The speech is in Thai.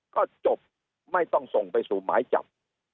ก็จบไม่ต้องส่งไปสู่หมายจับ